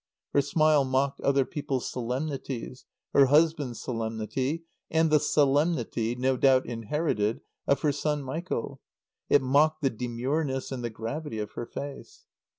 Her smile mocked other people's solemnities, her husband's solemnity, and the solemnity (no doubt inherited) of her son Michael; it mocked the demureness and the gravity of her face.